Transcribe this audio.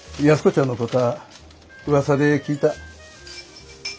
安子ちゃんのこたあうわさで聞いた。